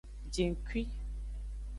Jengkui.